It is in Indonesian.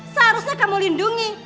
seharusnya kamu lindungi